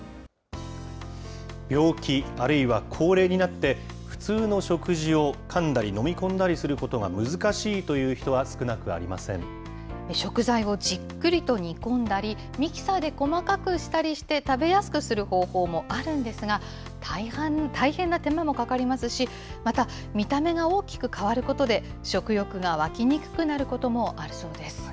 病気、あるいは高齢になって、普通の食事をかんだり飲み込んだりすることが難しいという人は少食材をじっくりと煮込んだり、ミキサーで細かくしたりして食べやすくする方法もあるんですが、大変な手間もかかりますし、また、見た目が大きく変わることで、食欲が湧きにくくなることもあるそうです。